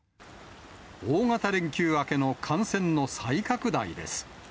大型連休明けの感染の再拡大です。